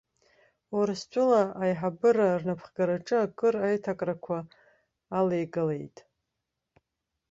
Урыстәыла аиҳабыра рнапхгараҿы акыр аиҭакрақәа алеигалеит.